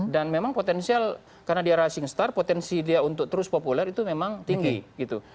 dan memang potensial karena dia rising star potensi dia untuk terus populer itu memang tinggi gitu